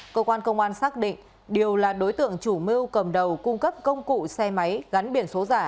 cơ quan công an xác định điều là đối tượng chủ mưu cầm đầu cung cấp công cụ xe máy gắn biển số giả